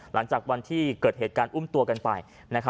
หลังจากวันที่เกิดเหตุการณ์อุ้มตัวกันไป